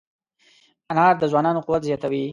انار د ځوانانو قوت زیاتوي.